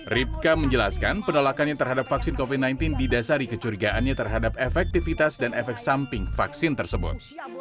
ripka menjelaskan penolakannya terhadap vaksin covid sembilan belas didasari kecurigaannya terhadap efektivitas dan efek samping vaksin tersebut